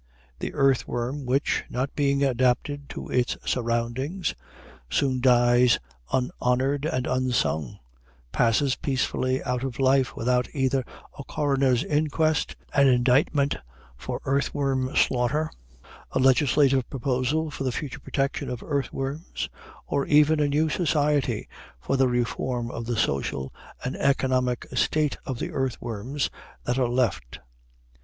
The earthworm, which, not being adapted to its surroundings, soon dies unhonored and unsung, passes peacefully out of life without either a coroner's inquest, an indictment for earthworm slaughter, a legislative proposal for the future protection of earthworms, or even a new society for the reform of the social and economic state of the earthworms that are left.